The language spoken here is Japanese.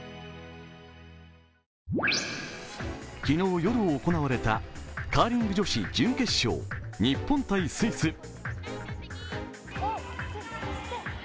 昨日夜行われた、カーリング女子準決勝日本×スイス。